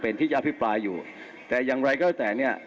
เป็นที่ยาพิปราอยู่แต่อย่างไรก็แต่เนี่ย